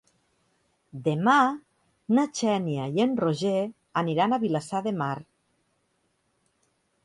Demà na Xènia i en Roger aniran a Vilassar de Mar.